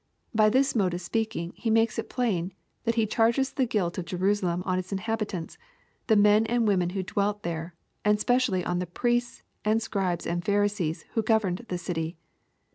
— By this mode of speaking. He makes it plain, that He charges the guilt of Jerusalem on its inhabitants, the men and women who dwelt there, and specially on the priests, and Scribes and Pharisees who governed the city.